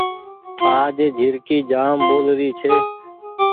آج جهرڪي جآم ٻول ري ڇي۔